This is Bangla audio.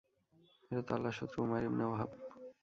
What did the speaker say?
এই তো আল্লাহর শত্রু উমাইর ইবনে ওহাব।